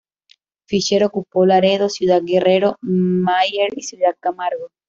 Fisher ocupó Laredo, Ciudad Guerrero, Mier y Ciudad Camargo.